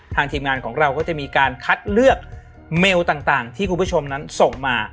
ทีมงานของเราก็จะมีการคัดเลือกเมลต่างที่คุณผู้ชมนั้นส่งมา